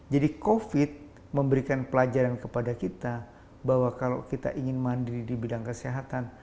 jadi covid memberikan pelajaran kepada kita bahwa kalau kita ingin mandiri di bidang kesehatan